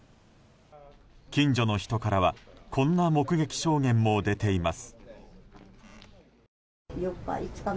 近所の人からはこんな目撃証言も出ています。